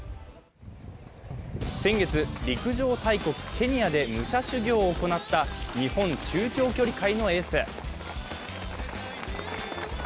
先月、陸上大国・ケニアで武者修行を行った日本中長距離界のエース。